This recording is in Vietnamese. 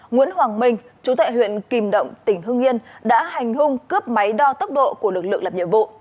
nguyễn hoàng minh chú tại huyện kìm động tỉnh hương nghiên đã hành hung cướp máy đo tốc độ của lực lượng lập nhiệm vụ